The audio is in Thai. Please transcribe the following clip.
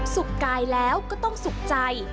กายแล้วก็ต้องสุขใจ